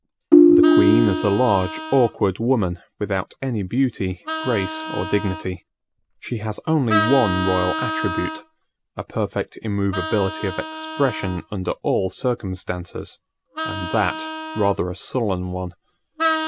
The queen is a large awkward woman, without any beauty, grace or dignity. She has only one royal attribute: a perfect immovability of expression under all circumstances, and that rather a sullen one.